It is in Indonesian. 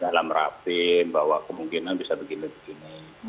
dalam rapim bahwa kemungkinan bisa begini begini